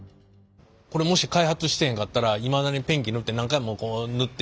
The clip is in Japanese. これもし開発してへんかったらいまだにペンキ塗って何回もこう塗って。